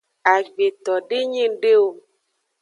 Agbeto de nyi ngde o.